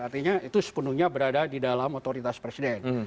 artinya itu sepenuhnya berada di dalam otoritas presiden